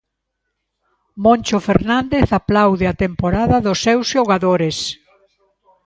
Moncho Fernández aplaude a temporada dos seus xogadores.